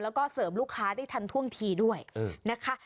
แล้วก็เสริมลูกค้าได้ทันท่วงทีด้วยนะคะ